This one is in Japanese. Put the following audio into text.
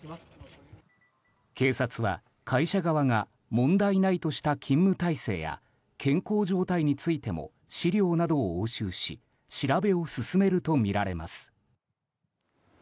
警察は会社側が問題ないとした勤務体制や健康状態についても資料などを押収し調べを進めるとみられます。